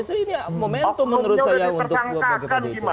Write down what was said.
ya ini momentum menurut saya untuk buat bagaimana